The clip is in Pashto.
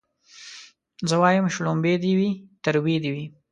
زه وايم شلومبې دي وي تروې دي وي